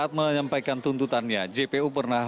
ada saat menyampaikan tuntutannya jpu pernah juga menyebutkan